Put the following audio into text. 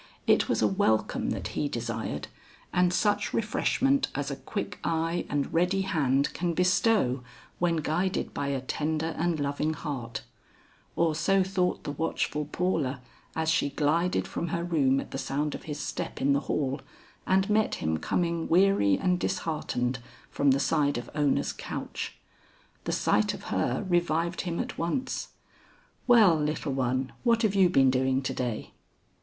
It was a welcome that he desired, and such refreshment as a quick eye and ready hand can bestow when guided by a tender and loving heart; or so thought the watchful Paula as she glided from her room at the sound of his step in the hall, and met him coming weary and disheartened from the side of Ona's couch. The sight of her revived him at once. "Well, little one, what have you been doing to day?"